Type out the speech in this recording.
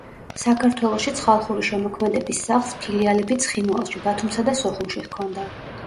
საქართველოშიც ხალხური შემოქმედების სახლს ფილიალები ცხინვალში, ბათუმსა და სოხუმში ჰქონდა.